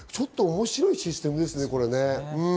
面白いシステムですね。